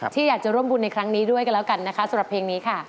ที่อยากจะร่วมบุญในครั้งนี้ด้วยกันแล้วกันนะคะสำหรับเพลงนี้ค่ะ